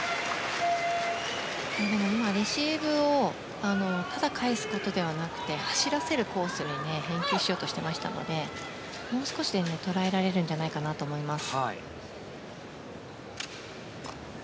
今、レシーブをただ返すことではなくて走らせるコースに返球しようとしてましたのでもう少しで捉えられるんじゃないかと思います。